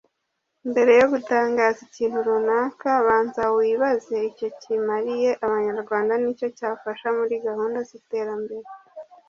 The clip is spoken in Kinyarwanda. Mbere yo gutangaza ikintu runaka banza wibaze icyo kimariye Abanyarwanda n’icyo cyafasha muri gahunda z’iterambere